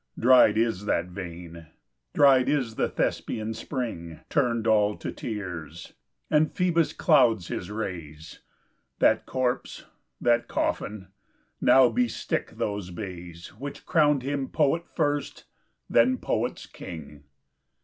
Dried is that vein, dried is the Thespian Spring, TurnŌĆÖd all to tears, and Ph┼ōbus clouds his rays: That corpse, that coffin now bestick those bayes, Which crownŌĆÖd him Poet first, then PoetŌĆÖs King.